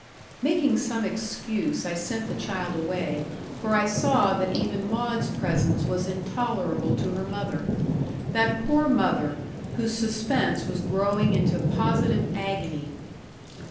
Making some excuse, I sent the child away, for I saw that even Maud's presence was intolerable to her mother. That poor mother, whose suspense was growing into positive agony.